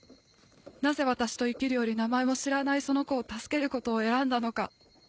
なぜ私と生きるより名前も知らないその子を助けることを選んだのか